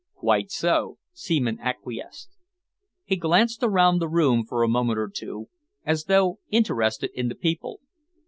"Quite so," Seaman acquiesced. He glanced around the room for a moment or two, as though interested in the people.